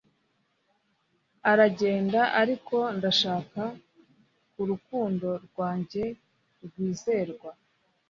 Aragenda ariko ndashaka ku rukundo rwanjye rwizerwa